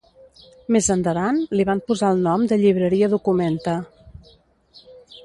Més endavant li van posar el nom de Llibreria Documenta.